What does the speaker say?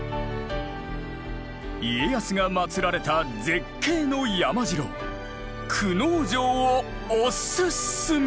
家康が祀られた絶景の山城久能城をおすすめ！